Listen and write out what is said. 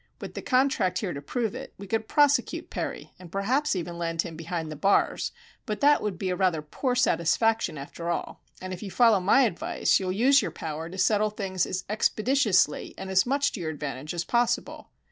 With the contract here to prove it, we could prosecute Perry, and perhaps even land him behind the bars, but that would be a rather poor satisfaction, after all, and if you follow my advice you will use your power to settle things as expeditiously and as much to your advantage as possible."